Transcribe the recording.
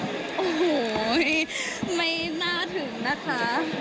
โอ้โหไม่น่าถึงนะคะ